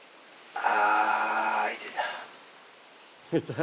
あ。